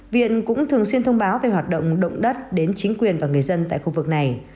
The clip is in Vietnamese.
viện cũng thường xuyên thông báo về hoạt động động đất đến chính quyền và người dân tại khu vực này